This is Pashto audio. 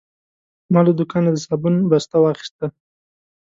ما له دوکانه د صابون بسته واخیسته.